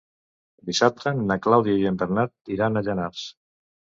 Dissabte na Clàudia i en Bernat iran a Llanars.